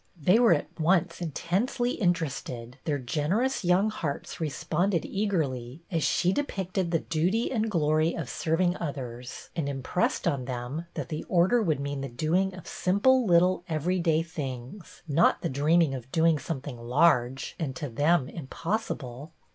They were at once in tensely interested ; their generous young hearts responded eagerly as she depicted the duty and glory of serving others, and im jjressed on them that the Order would mean the doing of simple, little, everyday things, not the dreaming of doing something large and to them impossible.